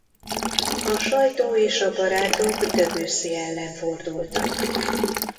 A sajtó és a barátok Debussy ellen fordultak.